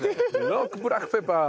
ロックブラックペッパー。